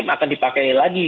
hakim akan dipakai lagi